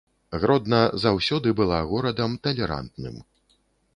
Гродна заўсёды была горадам талерантным.